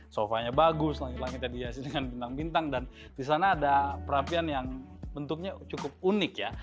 sofanya bagus langit langitnya dihiasi dengan bintang bintang dan di sana ada perapian yang bentuknya cukup unik ya